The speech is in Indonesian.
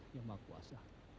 ya mak kuasa